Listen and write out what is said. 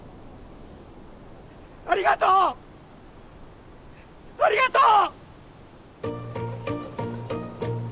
ありがとうありがとう！